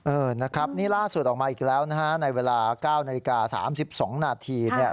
เออนะครับนี่ล่าสุดออกมาอีกแล้วนะฮะในเวลา๙นาฬิกา๓๒นาทีเนี่ย